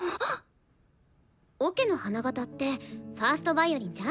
オケの花形って１ｓｔヴァイオリンじゃん？